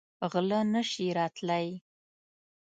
غله نه شي راتلی.